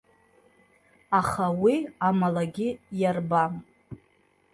Аха уи амалагьы иарбам.